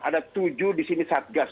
ada tujuh di sini satgas